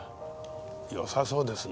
よさそうですね。